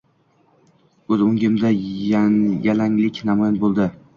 Ko`z o`ngimda yalanglik namoyon bo`ldi